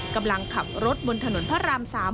กำลังขับรถบนถนนพระราม๓